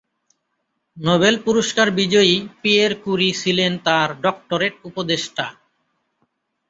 Nobel পুরস্কার বিজয়ী Pierre Curie ছিলেন তাঁর ডক্টরেট উপদেষ্টা।